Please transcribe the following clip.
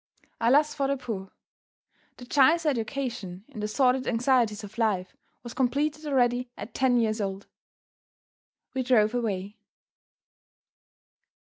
Alas for the poor! The child's education in the sordid anxieties of life was completed already at ten years old! We drove away.